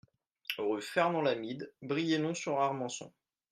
Rue Fernand Lamide, Brienon-sur-Armançon